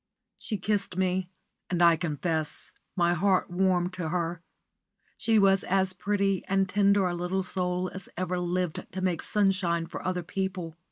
She kissed me, and, I confess, my heart warmed to her. She was as pretty and tender a little soul as ever lived to make sunshine for other people.